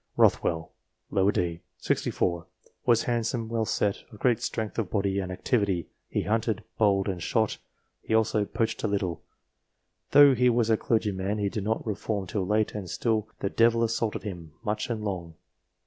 Rothwell, d. set. 64 ; was handsome, well set, of great strength of body and activity ; he hunted, bowled, and shot ; he also poached a little. Though he was a clergyman he did not reform till late, and still the " devil assaulted him " much and long.